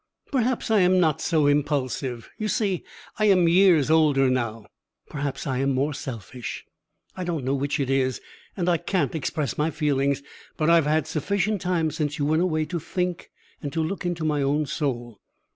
Perhaps I am not so impulsive you see, I am years older now perhaps I am more selfish. I don't know which it is and I can't express my feelings, but I have had sufficient time since you went away to think and to look into my own soul.